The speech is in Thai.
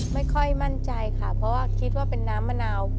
ไม่ค่อยมั่นใจค่ะเพราะว่าคิดว่าเป็นน้ำมะนาว